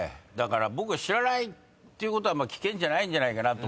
僕が知らないってことは危険じゃないんじゃないかなと思ってた。